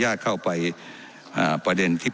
ไม่ได้เป็นประธานคณะกรุงตรี